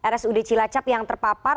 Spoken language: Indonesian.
rsud cilacap yang terpapar